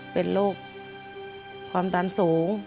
เป็นโรคความดันสูง